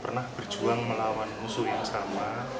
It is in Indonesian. pernah berjuang melawan musuh yang sama